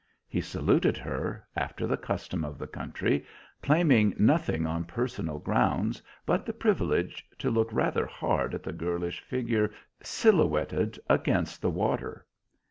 He saluted her, after the custom of the country, claiming nothing on personal grounds but the privilege to look rather hard at the girlish figure silhouetted against the water.